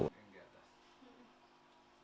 jadi kita bisa bikin kue kering dengan beragam karakter